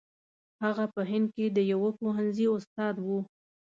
هغه په هند کې د یوه پوهنځي استاد وو.